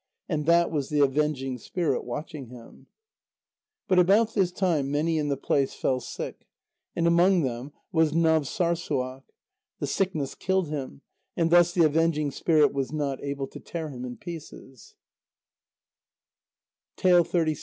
And that was the avenging spirit, watching him. But about this time, many in the place fell sick. And among them was Navssârssuaq. The sickness killed him, and thus the avenging spirit was not able to tear him in pieces.